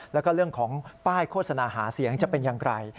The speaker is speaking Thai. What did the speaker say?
แล้วก็เรื่องของป้ายโฆษณาหาเสียงจะเป็นอย่างไร